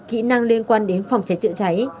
kỹ năng liên quan đến phòng cháy trựa cháy